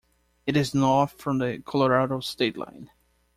It is north from the Colorado state line.